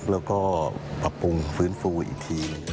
แล้วก็ปรับปรุงฟื้นฟูอีกที